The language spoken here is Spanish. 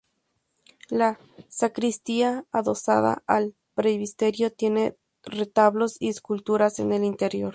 La sacristía adosada al presbiterio tiene retablos y esculturas en el interior.